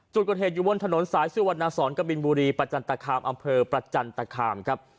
จุดกระเทศอยู่บนถนนสายสื่อวันนาศรกะบินบุรีประจันตะคามอำเภอประจันตะคามครับ